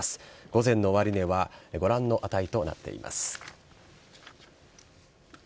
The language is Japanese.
午前の終値はご覧の値となっています。